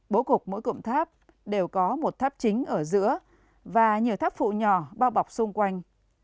bố cục mỗi cụm tháp đều có một tháp chính ở giữa và nhiều tháp phụ nhỏ bao bọc xung quanh